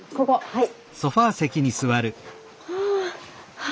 はい。